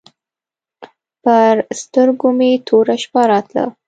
پر سترګو مې توره شپه راتله.